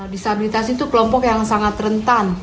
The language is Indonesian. disabilitas itu kelompok yang sangat rentan